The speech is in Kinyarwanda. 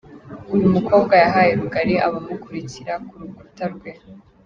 Uyu mukobwa yahaye rugari abamukurikira ku rukuta rwe